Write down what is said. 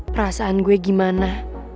perasaan gue gimana